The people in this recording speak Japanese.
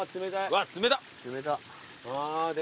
うわっ冷たっ！